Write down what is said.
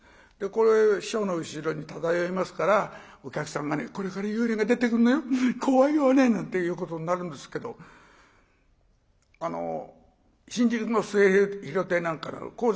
これ師匠の後ろに漂いますからお客さんが「これから幽霊が出てくんのよ怖いわね」なんていうことになるんですけど新宿の末廣亭なんかだと高座が狭いんですよ。